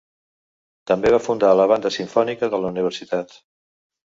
També va fundar la banda simfònica de la universitat.